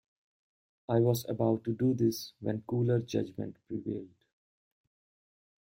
I was about to do this when cooler judgment prevailed.